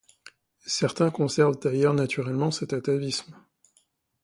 Certains conservent d'ailleurs naturellement cet atavisme.